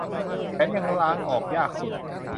แถมยังล้างออกยากสุด